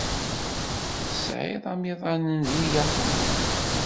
Tesɛiḍ amiḍan deg Yahoo?